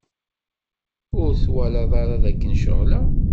Ur twalad ara dakken ceɣleɣ?